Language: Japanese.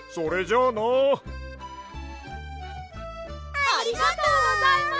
ありがとうございます！